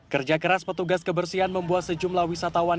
kerja keras petugas kebersihan membuat sejumlah wisatawan